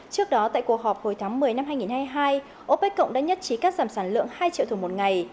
trước đó tại cuộc họp hồi tháng một mươi năm hai nghìn hai mươi hai opec cộng đã nhất trí cắt giảm sản lượng hai triệu thùng một ngày